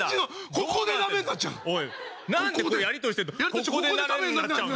ここでダメになっちゃうの。